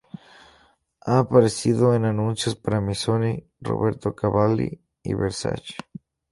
Ha aparecido en anuncios para Missoni, Roberto Cavalli y Versace.